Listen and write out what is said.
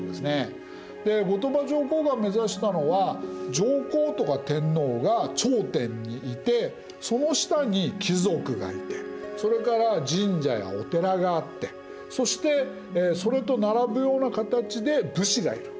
で後鳥羽上皇が目指したのは上皇とか天皇が頂点にいてその下に貴族がいてそれから神社やお寺があってそしてそれと並ぶような形で武士がいる。